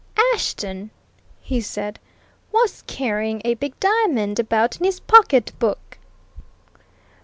"Ashton," he said, "was carrying a big diamond about in his pocketbook!"